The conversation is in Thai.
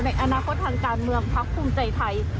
ในอนาคตทางการเมืองพักภูมิใจไทย